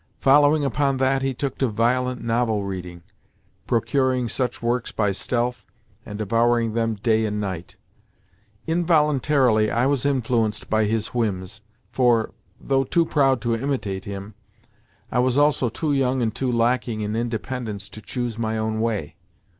Following upon that, he took to violent novel reading—procuring such works by stealth, and devouring them day and night. Involuntarily I was influenced by his whims, for, though too proud to imitate him, I was also too young and too lacking in independence to choose my own way.